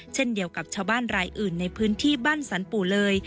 เช่นเดียวกับชาวบ้านรายอื่นในพื้นที่บ้านสรรปู่เลย